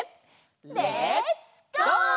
レッツゴー！